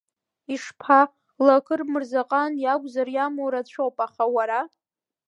Ишԥа, Лакыр Мырзаҟан иакәзар, иамоу рацәоуп, аха уара?